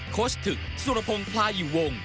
โค้ชถึกสุรพงศ์พลายอยู่วง